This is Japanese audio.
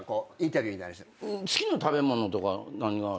好きな食べ物とか何がある？